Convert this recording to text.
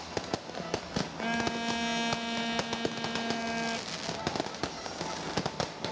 selamat tahun baru